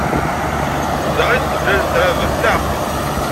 Da ay d-temlalemt ed Rabaḥ, naɣ?